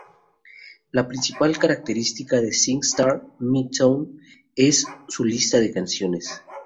La principal característica de SingStar Motown es su lista de canciones.